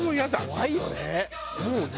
怖いよね。